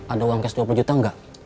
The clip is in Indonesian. ada uang cash dua puluh juta nggak